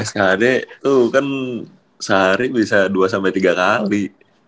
jadi tuh kan sehari bisa dua tiga kali